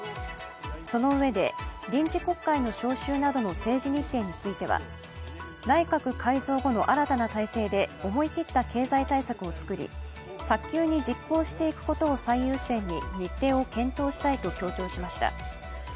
そのうえで臨時国会の召集などの政治日程については内閣改造後の新たな体制で思い切った経済対策をつくり早急に実行していくことを最優先に日程を検討していきたいと強調しました。